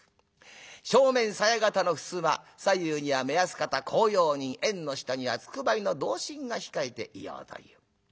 正面さや形のふすま左右には目安方公用人縁の下にはつくばいの同心が控えていようという。